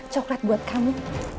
coklat buat kamu